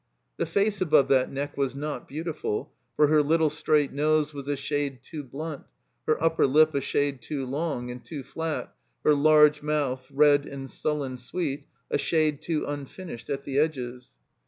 The face above that neck was not beautiful, for her little straight nose was a shade too blunt, her upper lip a shade too long and too flat ; her large mouth, red and sullen sweet, a shade too imfinished at the edges.